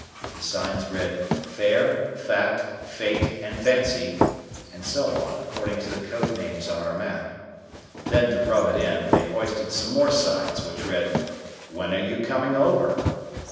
The signs read "Fair," "Fact," "Fate," and "Fancy" and so on, according to the code names on our map. Then to rub it in, they hoisted some more signs which read, "When are you coming over?"